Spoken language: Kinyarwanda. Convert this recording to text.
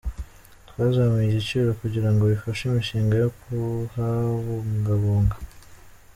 Twazamuye igiciro kugira ngo bifashe imishinga yo kuhabungabunga.